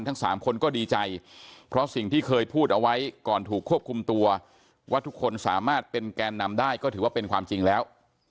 ทั้งสามคนก็ดีใจเพราะสิ่งที่เคยพูดเอาไว้ก่อนถูกควบคุมตัวว่าทุกคนสามารถเป็นแกนนำได้ก็ถือว่าเป็นความจริงแล้ว